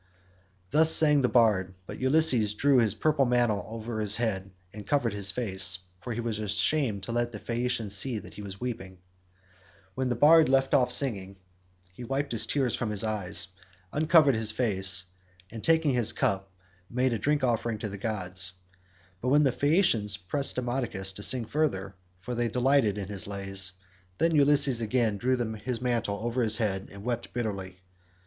Thus sang the bard, but Ulysses drew his purple mantle over his head and covered his face, for he was ashamed to let the Phaeacians see that he was weeping. When the bard left off singing he wiped the tears from his eyes, uncovered his face, and, taking his cup, made a drink offering to the gods; but when the Phaeacians pressed Demodocus to sing further, for they delighted in his lays, then Ulysses again drew his mantle over his head and wept bitterly.